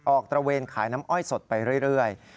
ตระเวนขายน้ำอ้อยสดไปเรื่อย